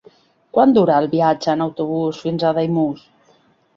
Quant dura el viatge en autobús fins a Daimús?